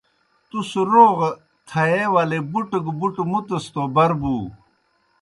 تُس روغ تھیے ولے بُٹہْ گہ بُٹہْ مُتَس توْ بر بُو۔